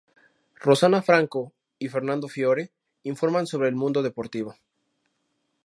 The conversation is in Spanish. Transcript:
Rosana Franco y Fernando Fiore informan sobre el mundo deportivo.